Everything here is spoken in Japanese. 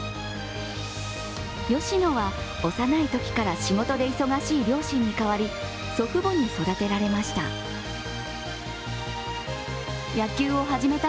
吉野は幼いときから仕事で忙しい両親に代わり、祖父母に育てられました。